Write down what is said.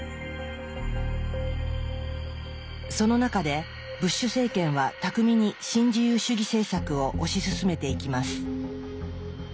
その中でブッシュ政権は巧みに新自由主義政策を推し進めていきます。